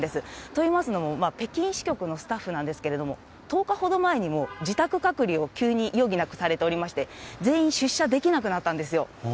といいますのも、北京支局のスタッフなんですけれども、１０日ほど前にも自宅隔離を急に余儀なくされておりまして、全員出社できなくなったんですよ。